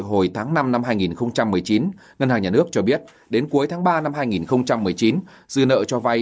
hồi tháng năm năm hai nghìn một mươi chín ngân hàng nhà nước cho biết đến cuối tháng ba năm hai nghìn một mươi chín dư nợ cho vay